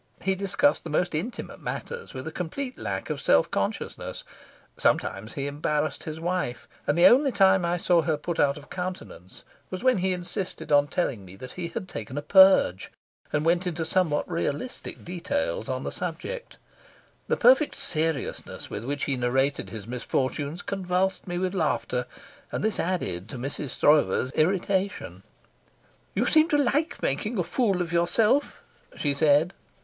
He discussed the most intimate matters with a complete lack of self consciousness. Sometimes he embarrassed his wife, and the only time I saw her put out of countenance was when he insisted on telling me that he had taken a purge, and went into somewhat realistic details on the subject. The perfect seriousness with which he narrated his misfortunes convulsed me with laughter, and this added to Mrs. Stroeve's irritation. "You seem to like making a fool of yourself," she said.